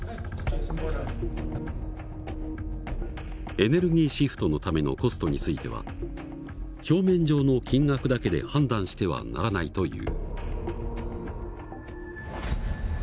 エネルギーシフトのためのコストについては表面上の金額だけで判断してはならないという。